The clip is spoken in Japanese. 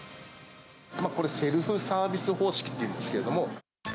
これ、セルフサービス方式っていうんですけれども。